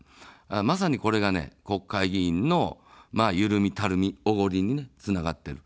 まさにこれが国会議員のゆるみ、たるみ、おごりにつながっている。